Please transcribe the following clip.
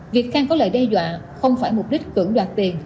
việc khang có lợi đe dọa không phải mục đích cử đoạt tiền